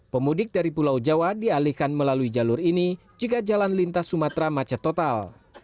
pemudik dari pulau jawa dialihkan melalui jalur ini jika jalan lintas sumatera macet total